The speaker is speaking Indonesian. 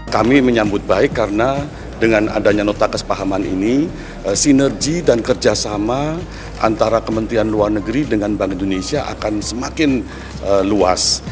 kami menyambut baik karena dengan adanya nota kesepahaman ini sinergi dan kerjasama antara kementerian luar negeri dengan bank indonesia akan semakin luas